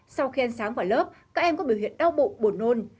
sau khi ăn sáng vào lớp các em có biểu hiện đau bụng buồn nôn